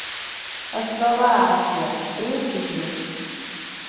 Es troba a Àsia: riu Indus.